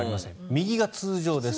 右が通常です。